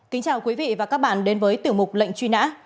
kính chào quý vị và các bạn đến với tiểu mục lệnh truy nã